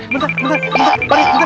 bentar bentar bentar